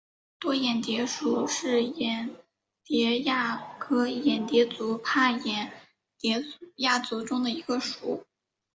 多眼蝶属是眼蝶亚科眼蝶族帕眼蝶亚族中的一个属。